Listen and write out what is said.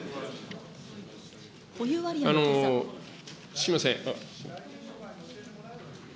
すみません。